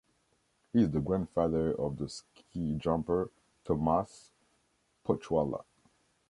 He is the grandfather of the ski jumper Tomasz Pochwała.